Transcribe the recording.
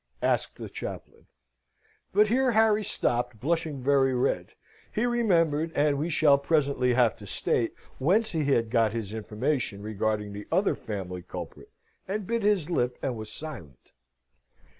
asked the chaplain. But here Harry stopped, blushing very red. He remembered, and we shall presently have to state, whence he had got his information regarding the other family culprit, and bit his lip, and was silent.